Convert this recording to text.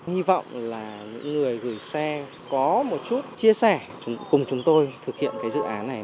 hy vọng là những người gửi xe có một chút chia sẻ cùng chúng tôi thực hiện cái dự án này